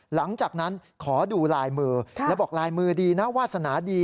หลังจากนั้นขอดูลายมือแล้วบอกลายมือดีนะวาสนาดี